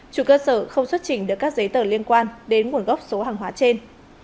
chủ cơ sở không xuất trình được các giấy tờ liên quan đến nguồn gốc số hàng hóa trên